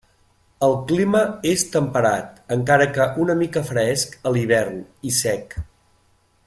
El clima és temperat, encara que una mica fresc a l'hivern, i sec.